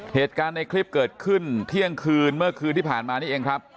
เหตุการณ์ในคลิปเกิดขึ้นเที่ยงคืนเมื่อคืนที่ผ่านมานี่เองครับ